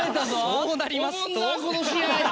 そうなりますと。